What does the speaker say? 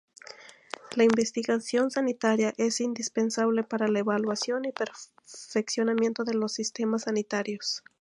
La investigación sanitaria es indispensable para la evaluación y perfeccionamiento de los sistemas sanitarios.